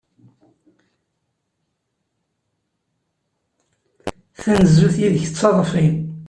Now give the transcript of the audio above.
Tanezzut yid-k d taḍfi.